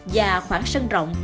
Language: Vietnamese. và khoảng sân rộng